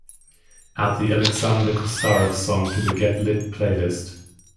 Add the alexander kostarev song to the get lit playlist.